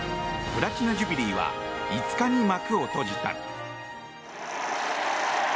プラチナ・ジュビリーは５日に幕を閉じた。